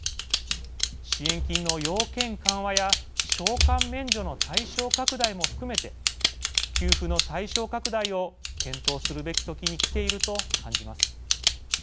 支援金の要件緩和や償還免除の対象拡大も含めて給付の対象拡大を検討するべきときに来ていると感じます。